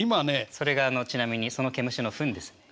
それがちなみにそのケムシのフンですね。